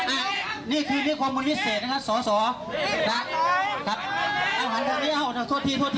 อันนี้คือที่คอมพูนเศรษฐ์นะคะสอ